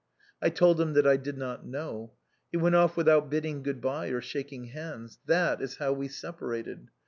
I told him that I did not know. He went off without bidding good bye or shaking hands. That is how we separated.